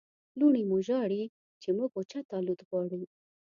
لوڼې مو ژاړي چې موږ اوچت الوت غواړو.